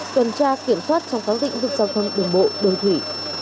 tuần tra kiểm soát trong các lĩnh vực giao thông đường bộ đường thủy